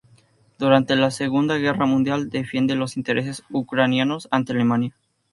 Durante la Segunda Guerra Mundial defiende los intereses ucranianos ante Alemania.